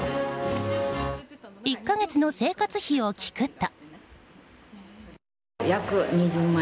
１か月の生活費を聞くと。